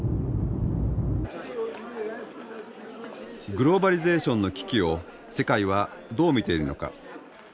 グローバリゼーションの危機を世界はどう見ているのか。